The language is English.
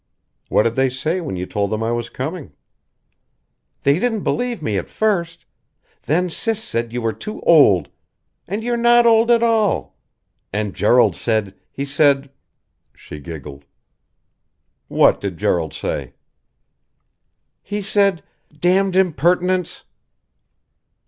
"What did they say when you told them I was coming?" "They didn't believe me at first. Then Sis said you were too old and you're not old at all and Gerald said he said " she giggled. "What did Gerald say?" "He said, 'Damned impertinence!'"